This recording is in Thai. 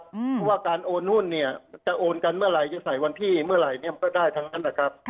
เพราะว่าการโอนหุ้นเนี่ยจะโอนกันเมื่อไหร่จะใส่วันที่เมื่อไหร่เนี่ยมันก็ได้ทั้งนั้นนะครับ